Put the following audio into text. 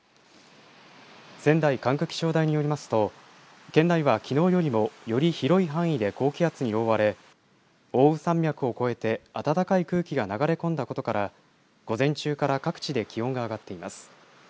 仙台管区気象台によりますと県内は、きのうよりもより広い範囲で高気圧に覆われ奥羽山脈を越えて暖かい空気が流れ込んだことから午前中から各地で気温が上がっています。